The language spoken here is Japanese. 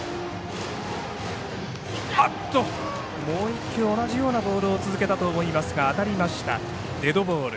もう一球、同じようなボールを続けたと思いますが当たりました、デッドボール。